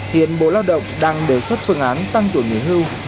hiện bộ lao động đang đề xuất phương án tăng tuổi nghỉ hưu